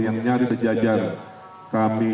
yang nyaris sejajar kami